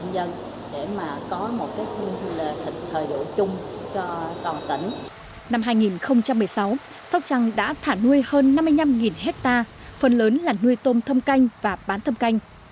năm hai nghìn một mươi sáu sóc trăng đã thả nuôi hơn năm mươi năm hectare phần lớn là nuôi tôm thâm canh và bán thâm canh